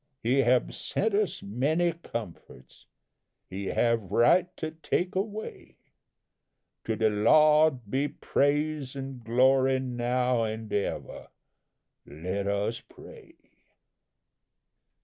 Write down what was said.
He have sent us many comforts He have right to take away To the Lawd be praise an' glory now and ever! Let us pray!"